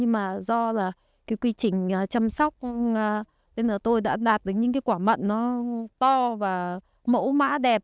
mà do là cái quy trình chăm sóc nên là tôi đã đạt được những cái quả mận nó to và mẫu mã đẹp